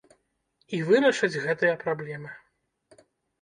І вырашаць гэтыя праблемы.